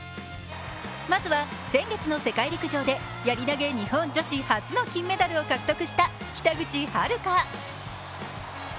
まずは先月の世界陸上でやり投げ日本女子初の金メダルを獲得した北口榛花。